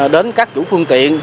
đến các chủ phương tiện